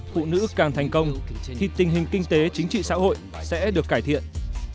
phụ nữ càng thành công thì tình hình kinh tế chính trị sẽ tiếp tục